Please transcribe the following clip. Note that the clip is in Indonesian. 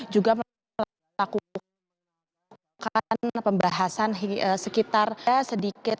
juga melakukan pembahasan sekitar sedikit